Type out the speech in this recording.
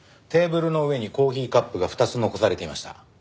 テーブルの上にコーヒーカップが２つ残されていました。